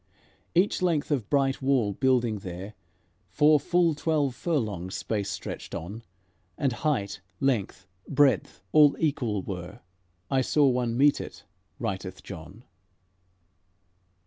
Each length of bright wall builded there For full twelve furlongs' space stretched on, And height, length, breadth all equal were: "I saw one mete it," writeth John.